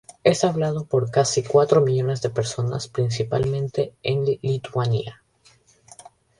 Es hablado por casi cuatro millones de personas, principalmente en Lituania.